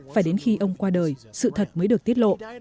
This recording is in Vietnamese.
phải đến khi ông qua đời sự thật mới được tiết lộ